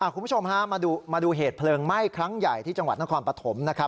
คุณผู้ชมฮะมาดูเหตุเพลิงไหม้ครั้งใหญ่ที่จังหวัดนครปฐมนะครับ